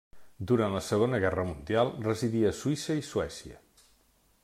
Durant la segona guerra mundial residí a Suïssa i Suècia.